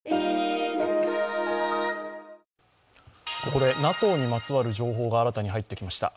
ここでＮＡＴＯにまつわる情報が新たに入ってきました。